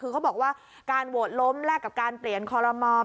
คือเขาบอกว่าการโหวตล้มแลกกับการเปลี่ยนคอลโลมอล